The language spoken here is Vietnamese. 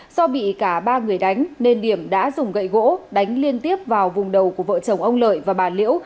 do bị cả ba người đánh nên điểm đã dùng gậy gỗ đánh liên tiếp vào vùng đầu của vợ chồng ông lợi và bà liễu